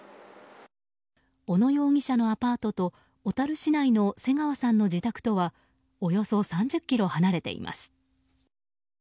小野容疑者のアパートと小樽市内の瀬川さんの自宅とはおよそ３０ｋｍ離れています。